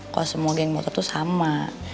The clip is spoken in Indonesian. kalo semua gang motor tuh sama